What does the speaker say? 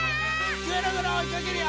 ぐるぐるおいかけるよ！